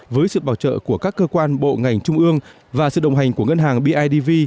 với sự bảo trợ của các cơ quan bộ ngành trung ương và sự đồng hành của ngân hàng bidv